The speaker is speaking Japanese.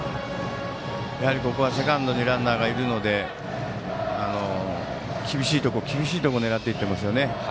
やはり、ここはセカンドにランナーがいるので厳しいところを狙っていますね。